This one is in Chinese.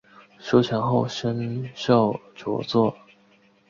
书成后升授着作。